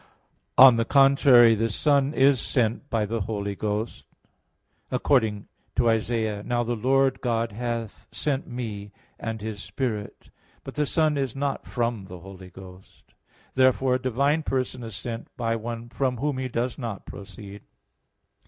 On the contrary, The Son is sent by the Holy Ghost, according to Isa. 48:16, "Now the Lord God hath sent Me and His Spirit." But the Son is not from the Holy Ghost. Therefore a divine person is sent by one from Whom He does not proceed.